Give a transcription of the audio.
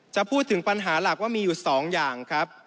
จะพูดถึงปัญหาหลักว่ามีอยู่๒อย่างครับ